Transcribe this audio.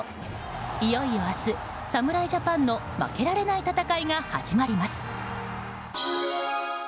いよいよ明日、侍ジャパンの負けられない戦いが始まります。